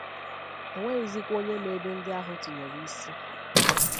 o nweghịzịkwa onye ma ebe ndị ahụ tinyere isi